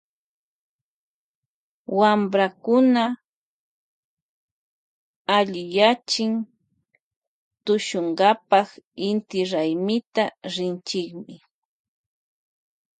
Wamprakuna alliyachi rinchimi tushunkapa inti raymita.